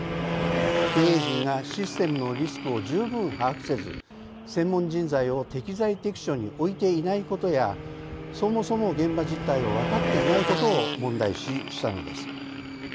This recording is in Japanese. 経営陣がシステムのリスクを十分把握せず専門人材を適材適所に置いていないことやそもそも現場実態を分かっていないことを問題視したのです。